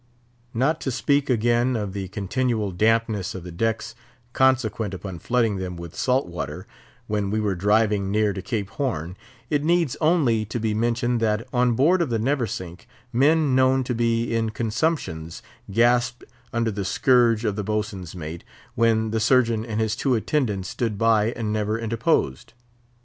Not to speak again of the continual dampness of the decks consequent upon flooding them with salt water, when we were driving near to Cape Horn, it needs only to be mentioned that, on board of the Neversink, men known to be in consumptions gasped under the scourge of the boatswain's mate, when the Surgeon and his two attendants stood by and never interposed.